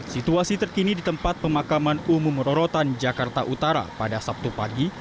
situasi terkini di tempat pemakaman umum rorotan jakarta utara pada sabtu pagi